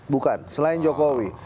bukan selain jokowi